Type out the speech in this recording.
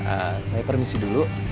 eh saya permisi dulu